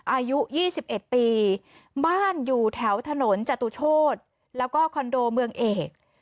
อายุ๒๑ปีบ้านอยู่แถวถนนจตุโชธแล้วก็คอนโดเมืองเอก